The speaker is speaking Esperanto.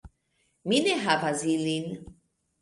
Mi ne havas ilin.